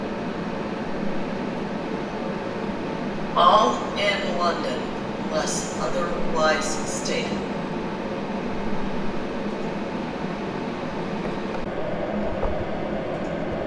All in London unless otherwise stated.